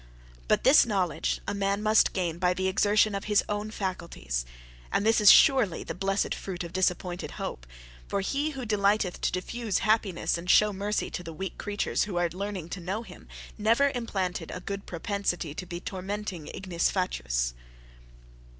But this knowledge a man must gain by the exertion of his own faculties; and this is surely the blessed fruit of disappointed hope! for He who delighteth to diffuse happiness and show mercy to the weak creatures, who are learning to know him, never implanted a good propensity to be a tormenting ignis fatuus.